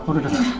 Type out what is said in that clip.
aku udah denger